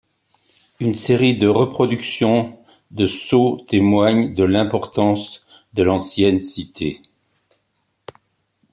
Une série de reproductions de sceaux témoigne de l'importance de l'ancienne cité.